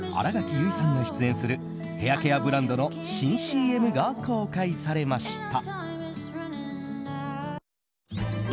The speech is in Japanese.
新垣結衣さんが出演するヘアケアブランドの新ＣＭが公開されました。